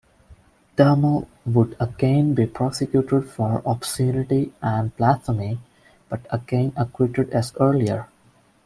Dehmel would again be prosecuted for obscenity and blasphemy, but again acquitted as earlier.